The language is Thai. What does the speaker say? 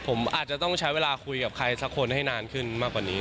ผมอาจจะต้องใช้เวลาคุยกับใครสักคนให้นานขึ้นมากกว่านี้